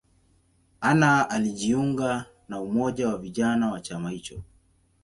Anna alijiunga na umoja wa vijana wa chama hicho.